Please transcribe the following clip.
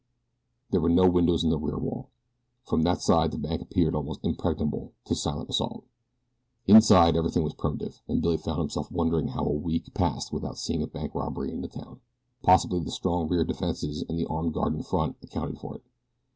There were no windows in the rear wall. From that side the bank appeared almost impregnable to silent assault. Inside everything was primitive and Billy found himself wondering how a week passed without seeing a bank robbery in the town. Possibly the strong rear defenses and the armed guard in front accounted for it.